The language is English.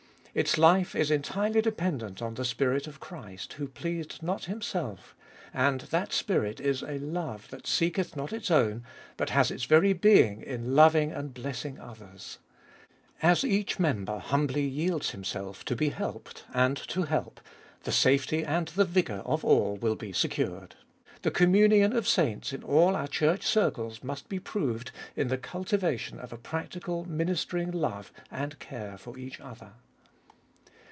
Its life is entirely dependent on the Spirit of Christ, who pleased not Himself, and that Spirit is a love that seeketh not its own, but has its very being in loving and blessing others. As each member humbly yields himself to be helped and to help, the safety and the vigour of all will be secured. The com munion of saints in all our Church circles must be proved in the cultivation of a practical ministering love and care for each other.